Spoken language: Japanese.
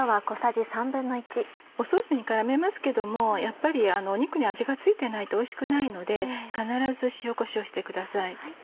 ソースに絡めますけどもやっぱり肉に味が付いてないとおいしくないので必ず塩こしょうしてください。